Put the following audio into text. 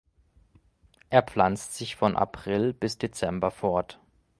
Er pflanzt sich von April bis Dezember fort.